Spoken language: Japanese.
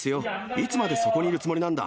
いつまでそこにいるつもりなんだ。